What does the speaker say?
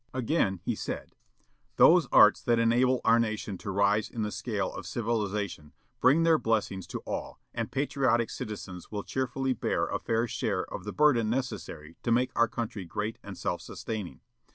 Again he said: "Those arts that enable our nation to rise in the scale of civilization bring their blessings to all, and patriotic citizens will cheerfully bear a fair share of the burden necessary to make their country great and self sustaining.